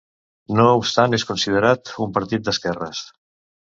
No obstant és considerat un partit d'esquerres.